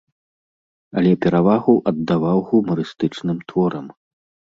Але перавагу аддаваў гумарыстычным творам.